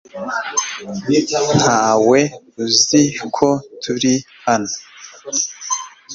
Ntawe uzi ko turi hano .